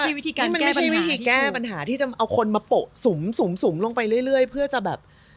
ใช่ว่ามันไม่ใช่วิธีแก้ปัญหาที่จะเอาคนมาโปะสุมลงไปเรื่อยเพื่อจะแบบ